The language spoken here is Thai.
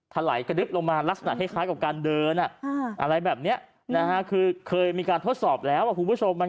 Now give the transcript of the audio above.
ถลายกระดึ๊บลงมาลักษณะคล้ายก็การเดิน